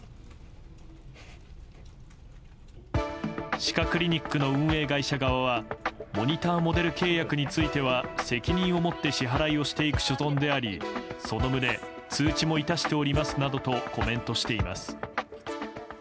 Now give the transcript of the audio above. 歯科クリニックの運営会社側はモニターモデル契約については責任を持って支払いをしていく所存でありその旨、通知もいたしておりますなどとコメントしています。